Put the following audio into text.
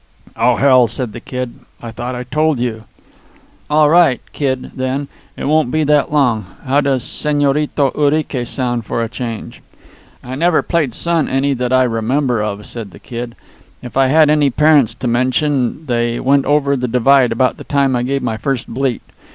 "Oh, hell," said the Kid. "I thought I told you my name!" "All right, 'Kid,' then. It won't be that long. How does Señorito Urique sound, for a change?" "I never played son any that I remember of," said the Kid. "If I had any parents to mention they went over the divide about the time I gave my first bleat.